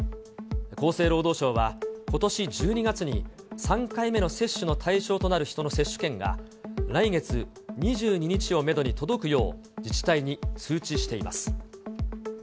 厚生労働省は、ことし１２月に３回目の接種の対象となる人の接種券が、来月２２日をメドに届くよう、自治体に通知しています。